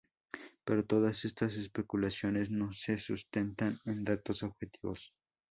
Pero todas estas especulaciones no se sustentan en datos objetivos.